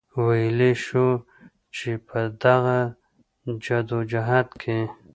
وئيلی شي چې پۀ دغه جدوجهد کې